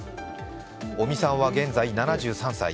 尾身さんは現在７３歳。